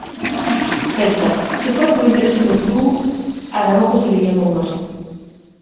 Celta: Se fora polo interese do club, Araújo seguiría connosco.